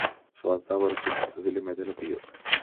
Fue adoptado por Quinto Cecilio Metelo Pío.